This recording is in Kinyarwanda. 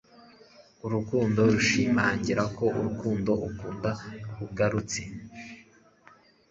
Urukundo rushimangira ko urukundo ukunda rugarutse.”